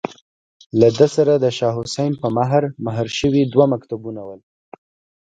له ده سره د شاه حسين په مهر، مهر شوي دوه مکتوبونه ول.